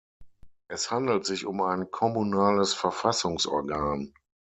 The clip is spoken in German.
Es handelt sich um ein kommunales Verfassungsorgan.